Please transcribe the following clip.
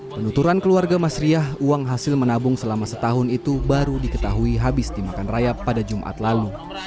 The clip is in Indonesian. penuturan keluarga mas riah uang hasil menabung selama setahun itu baru diketahui habis dimakan rayap pada jumat lalu